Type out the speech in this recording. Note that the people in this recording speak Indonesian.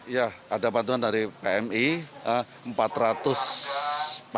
ya ada bantuan dari pmi